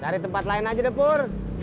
cari tempat lain aja depur